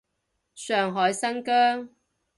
上海，新疆